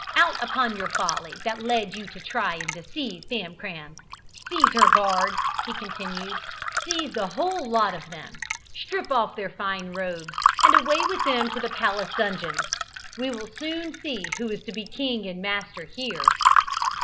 Out upon your folly, that led you to try and deceive Famcram. Seize her, guards!" he continued; "seize the whole lot of them! Strip off their fine robes, and away with them to the palace dungeons! We will soon see who is to be king and master here!"